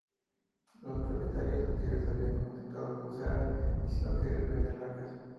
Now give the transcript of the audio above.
Los propietarios anteriores habían contactado con Sara, diciendo querer vender la casa.